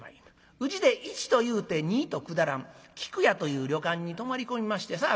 宇治で一と言うて二と下らん菊屋という旅館に泊まり込みましてさあ